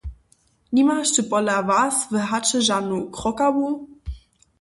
Nimaš ty pola was w haće žanu krokawu?